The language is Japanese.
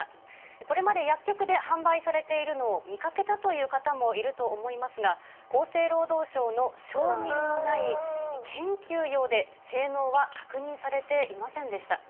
これまで薬局で販売されているのを見かけたという方もいると思いますが、厚生労働省の承認のない研究用で、性能は確認されていませんでした。